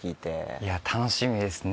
いや楽しみですね